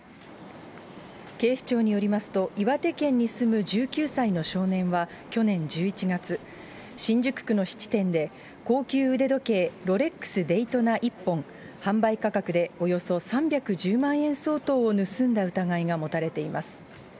警視庁によりますと、岩手県に住む１９歳の少年は去年１１月、新宿区の質店で、高級腕時計、ロレックスデイトナ１本、販売価格でおよそ３１０万円相当を盗んだ疑いが持たれています。